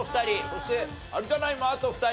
そして有田ナインもあと２人。